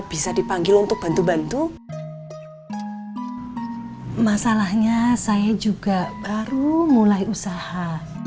bisa dipanggil untuk bantu bantu masalahnya saya juga baru mulai usaha